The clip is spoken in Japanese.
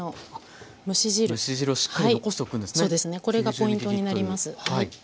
これがポイントになります。